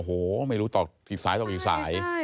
โอ้โหไม่รู้ต่อกี่สายต่อกี่สาย